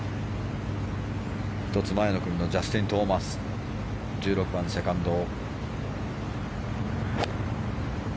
１つ前の組のジャスティン・トーマス１６番、セカンド。